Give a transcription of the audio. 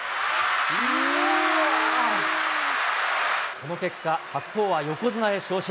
この結果、白鵬は横綱へ昇進。